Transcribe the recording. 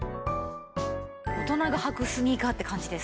大人が履くスニーカーって感じです。